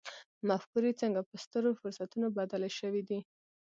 مفکورې څنګه په سترو فرصتونو بدلې شوې دي.